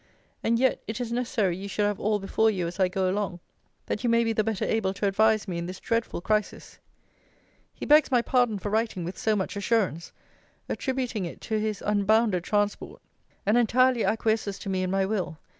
And yet it is necessary you should have all before you as I go along, that you may be the better able to advise me in this dreadful crisis. 'He begs my pardon for writing with so much assurance; attributing it to his unbounded transport; and entirely acquiesces to me in my will.